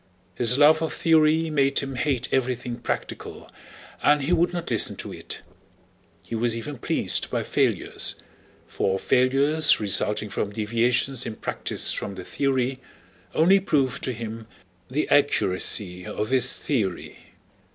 His love of theory made him hate everything practical, and he would not listen to it. He was even pleased by failures, for failures resulting from deviations in practice from the theory only proved to him the accuracy of his theory.